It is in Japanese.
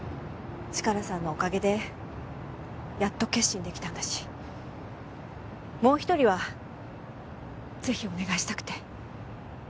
チカラさんのおかげでやっと決心できたんだしもう一人はぜひお願いしたくて。